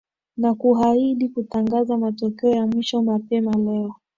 na kuahindi kutangaza matokeo ya mwisho mapema leo